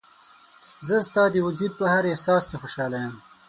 زه ستا د وجود په هر احساس کې خوشحاله یم.